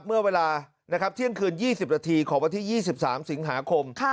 เมื่อเวลาเที่ยงคืน๒๐นาทีของวันที่๒๓สิงหาคม